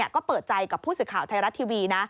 ก็เปิดใจกับผู้สื่อข่าวไทยรัฐทีวีนะ